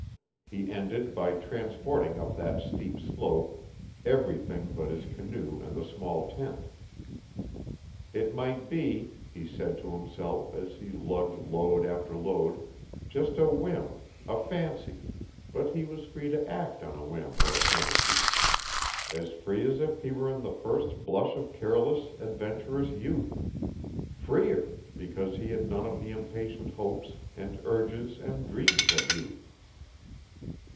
He ended by transporting up that steep slope everything but his canoe and the small tent. It might be, he said to himself as he lugged load after load, just a whim, a fancy, but he was free to act on a whim or a fancy, as free as if he were in the first blush of careless, adventurous youth, freer, because he had none of the impatient hopes and urges and dreams of youth.